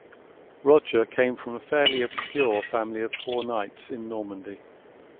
Roger came from a fairly obscure family of poor knights in Normandy.